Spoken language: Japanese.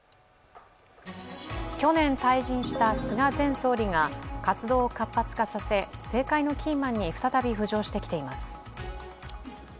去年退陣した菅前総理が活動を活発化させ、政界のキーマンに再び浮上してきています。